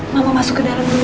mama masuk ke dalam dulu